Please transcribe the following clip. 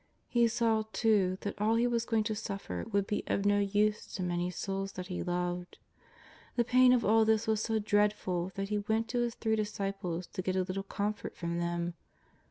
He saw, too, that all He was going to suffer would be of no use to many souls that He loved. The pain of all this was so dreadful that He went to His three disciples to get a little comfort from them.